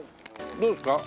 どうですか？